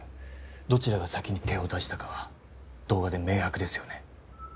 どちらが先に手を出したかは動画で明白ですよね